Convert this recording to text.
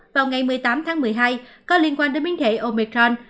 vào ngày một mươi tám tháng một mươi hai có liên quan đến biến thể omecron